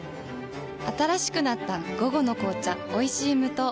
新しくなった「午後の紅茶おいしい無糖」